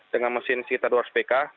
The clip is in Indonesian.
dengan mesin sita dua ratus pk